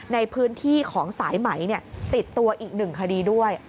ในพื้นที่ของสายไหมติดตัวอีกหนึ่งคดีด้วย